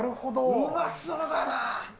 うまそうだな。